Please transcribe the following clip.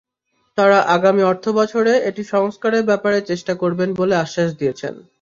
তাঁরা আগামী অর্থ বছরে এটি সংস্কারের ব্যাপারে চেষ্টা করবেন বলে আশ্বাস দিয়েছেন।